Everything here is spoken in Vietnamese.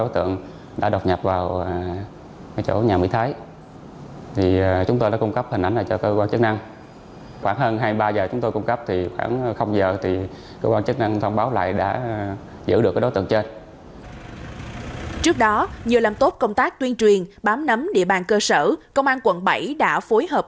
trước đó nhờ làm tốt công tác tuyên truyền bám nắm địa bàn cơ sở công an quận bảy đã phối hợp